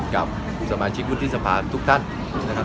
กับสมาชิกวุฒิทธิสภาพทุกท่าน